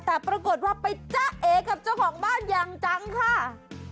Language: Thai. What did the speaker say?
แต่ปรากฏว่าไปจ้าเอกับเจ้าของบ้านอย่างจังค่ะ